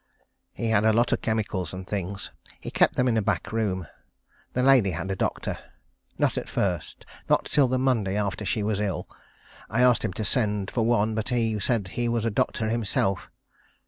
He had a lot of chemicals and things. He kept them in a back room. The lady had a doctor. Not at first. Not till the Monday after she was ill. I asked him to send for one, but he said he was a doctor himself.